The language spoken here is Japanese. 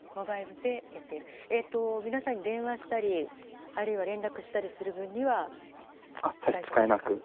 皆さんに電話したりあるいは連絡する分には大丈夫ですか。